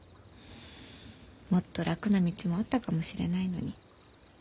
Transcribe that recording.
もっと楽な道もあったかもしれないのに。